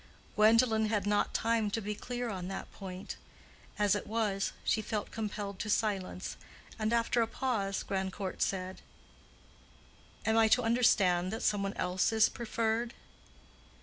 Gwendolen had not time to be clear on that point. As it was, she felt compelled to silence, and after a pause, Grandcourt said, "Am I to understand that some one else is preferred?"